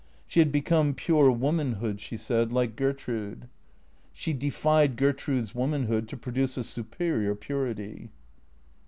She had become pure womanhood, she said, like Gertrude. She defied Gertrude's womanhood to produce a superior purity.